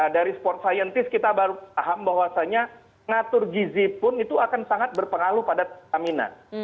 dari sport scientist kita baru paham bahwasanya ngatur gizi pun itu akan sangat berpengaruh pada stamina